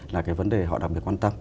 là cái vấn đề họ đặc biệt quan tâm